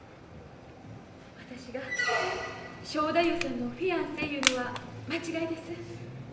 私が正太夫さんのフィアンセいうのは間違いです。